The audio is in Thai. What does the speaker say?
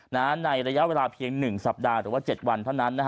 ในระยะเวลาเพียง๑สัปดาห์หรือว่า๗วันเท่านั้น